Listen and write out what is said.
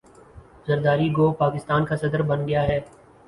ذرداری گو پاکستان کا صدر بن گیا ہے